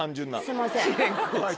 すいません。